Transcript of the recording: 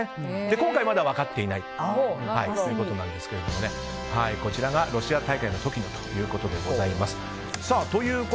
今回まだ分かっていないということなんですがこちらがロシア大会の時のということでございます。